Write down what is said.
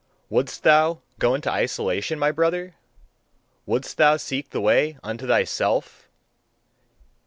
Wouldst thou go into isolation, my brother? Wouldst thou seek the way unto thyself?